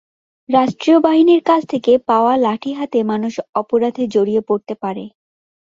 রাষ্ট্রীয় বাহিনীর কাছ থেকে পাওয়া লাঠি হাতে মানুষ অপরাধে জড়িয়ে পড়তে পারে।